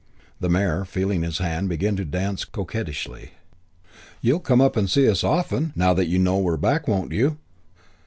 The mare, feeling his hand, began to dance coquettishly. "You'll come up and see us often, now you know we're back, won't you?